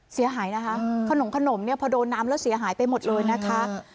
เสียหายนะคะขนมขนมเนี่ยพอโดนน้ำแล้วเสียหายไปหมดเลยนะคะ